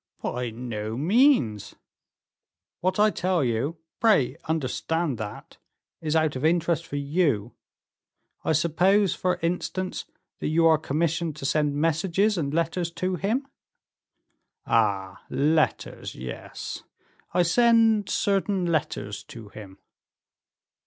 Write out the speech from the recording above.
"By no means." "What I tell you pray, understand that is out of interest for you. I suppose, for instance, that you are commissioned to send messages and letters to him?" "Ah! letters yes. I send certain letters to him."